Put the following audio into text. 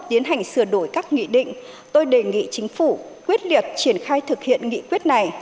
tiến hành sửa đổi các nghị định tôi đề nghị chính phủ quyết liệt triển khai thực hiện nghị quyết này